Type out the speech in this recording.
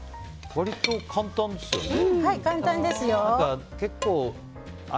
割と簡単ですね。